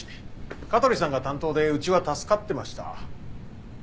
香取さんが担当でうちは助かってました。